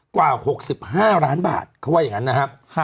กว่า๖๕ล้านบาทเขาว่าอย่างนั้นนะครับ